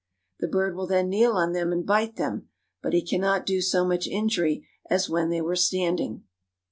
The bird will then kneel on them and bite them; but he can not do so much injury as when they were standing.